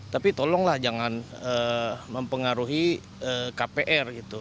tapi tolonglah jangan mempengaruhi kpr gitu